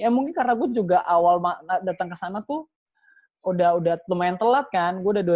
eh mungkin karena gua juga awal datang kesana tuh udah lumayan telat kan gua udah dua ribu enam belas